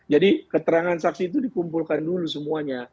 jadi keterangan saksi itu dikumpulkan dulu semuanya